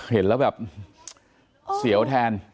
เห็นแล้วแบบเสียวแทน